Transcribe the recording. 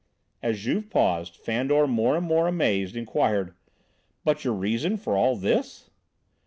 As Juve paused, Fandor, more and more amazed, inquired: "But your reason for all this!"